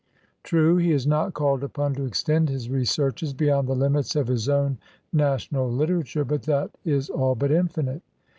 True, he is not called upon to extend his researches be yond the limits of his own national literature ; but that is all but infinite.